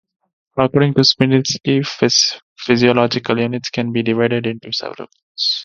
According to Smirnitsky, phaseological units can be divided into several groups.